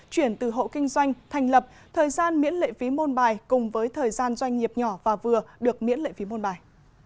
chuyển từ hộ kinh doanh thành lập thời gian miễn lệ phí môn bài cùng với thời gian doanh nghiệp nhỏ và vừa được miễn lệ phí môn bài